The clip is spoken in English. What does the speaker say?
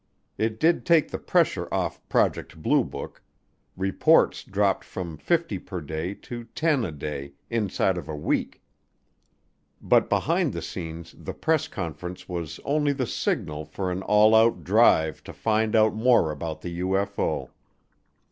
It did take the pressure off Project Blue Book reports dropped from fifty per day to ten a day inside of a week but behind the scenes the press conference was only the signal for an all out drive to find out more about the UFO.